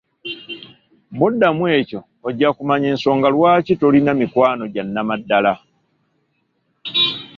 Bw'oddamu ekyo ojja kumanya ensonga lwaki tolina mikwano gya nnamaddala.